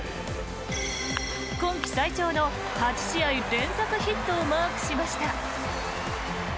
今季最長の８試合連続ヒットをマークしました。